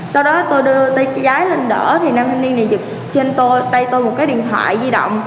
sau đó tôi đưa tay trái lên đỡ thì nam thanh niên này giật trên tay tôi một cái điện thoại di động